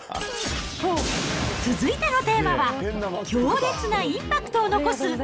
続いてのテーマは、強烈なインパクトを残す！